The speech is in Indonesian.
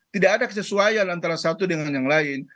tidak ada kesesuaian antara satu dengan yang lain